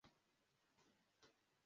Imbwa ebyiri zihagarara mu kidiba